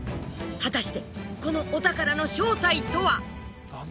果たしてこのお宝の正体とは？